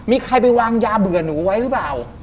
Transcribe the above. มีใครไปวางยาเบื่อหนูไว้หรือเปล่า